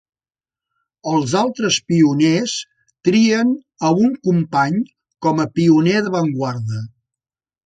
Els altres pioners trien a un company com a pioner d'avantguarda.